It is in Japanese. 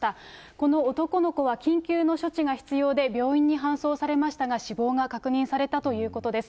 この男の子は緊急の処置が必要で、病院に搬送されましたが、死亡が確認されたということです。